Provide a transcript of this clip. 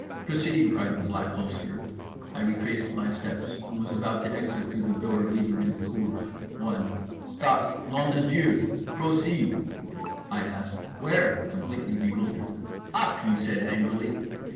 "Proceed!" cried the Black Holster. I retraced my steps, and was about to exit through the door leading to the cour, when "Stop! Nom de Dieu! Proceed!" I asked "Where?" completely bewildered. "Up," he said angrily.